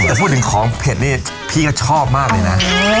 แต่พูดถึงของเผ็ดนี่พี่ก็ชอบมากเลยนะ